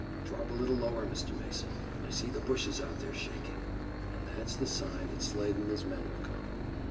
Drop a little lower, Mr. Mason. I see the bushes out there shaking." "And that's the sign that Slade and his men have come.